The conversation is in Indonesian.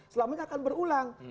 selamanya akan berulang